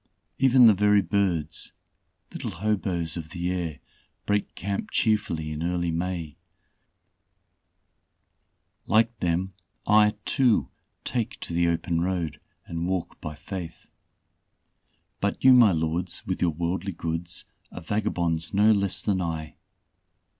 Even the very birds little hoboes of the air, break camp cheerfully in early May. Like them I, too, take to the open road and walk by faith. "But you, my lords, with your worldly goods, are vagabonds no less than I.